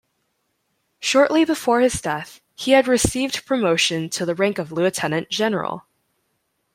Shortly before his death he had received promotion to the rank of lieutenant-general.